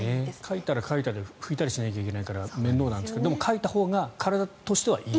かいたらかいたで拭いたりしないといけないから面倒なんですけどでも、かいたほうが体としてはいいと。